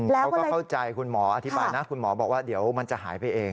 เขาก็เข้าใจคุณหมออธิบายนะคุณหมอบอกว่าเดี๋ยวมันจะหายไปเอง